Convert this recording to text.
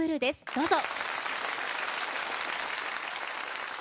どうぞ。